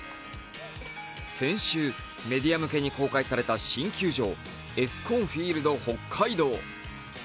先週、メディア向けに公開された新球場エスコンフィールド北海道。